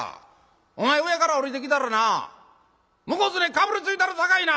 お前上から下りてきたらな向こうずねかぶりついたるさかいな！」。